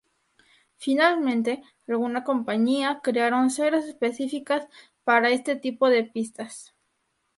Finalmente, alguna compañías crearon ceras específicas para este tipo de pistas.